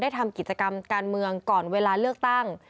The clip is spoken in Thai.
ทำกิจกรรมการเมืองก่อนเวลาเลือกตั้ง